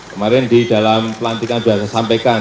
kemarin di dalam pelantikan sudah saya sampaikan